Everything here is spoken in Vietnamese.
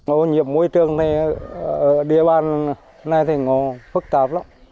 ô nhiễm môi trường ở địa bàn này thì phức tạp lắm